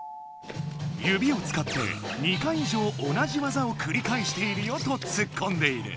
ゆびをつかって２回以上同じ技をくりかえしているよとツッコんでいる。